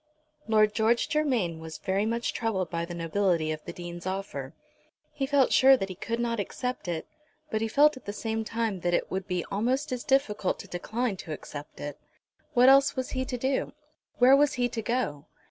Lord George Germain was very much troubled by the nobility of the Dean's offer. He felt sure that he could not accept it, but he felt at the same time that it would be almost as difficult to decline to accept it. What else was he to do? where was he to go?